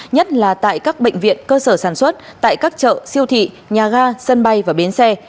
nhất là tại các bệnh viện cơ sở sản xuất tại các chợ siêu thị nhà ga sân bay và bến xe